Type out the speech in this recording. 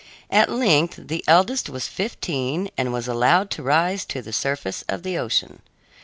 At length the eldest was fifteen and was allowed to rise to the surface of the ocean.